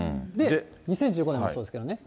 ２０１５年もそうですけどね。